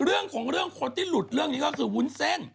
เรื่องของเรื่องคนที่หลุดเรื่องนี้ก็คือวุ้นเส้น